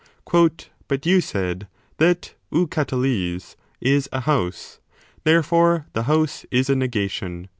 But you said that ov KaraXveis is a house : therefore the house is a negation.